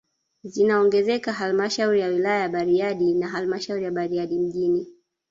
Zinaongezeka halmashauri ya wilaya ya Bariadi na halmashauri ya Bariadi mji